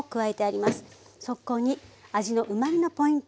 そこに味のうまみのポイント